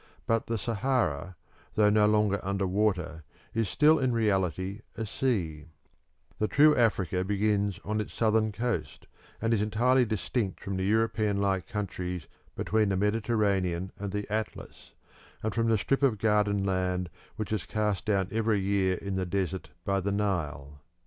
But the Sahara, though no longer under water, is still in reality a sea; the true Africa begins on its southern coast, and is entirely distinct from the European like countries between the Mediterranean and the Atlas, and from the strip of garden land which is cast down every year in the desert by the Nile.